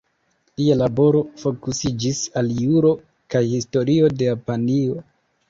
Lia laboro fokusiĝis al juro kaj historio de Japanio.